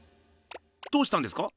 どうしたんですか？